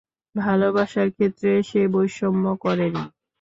ভালোবাসার ক্ষেত্রে সে বৈষম্য করেনি।